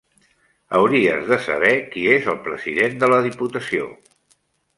Hauries de saber qui és el president de la Diputació.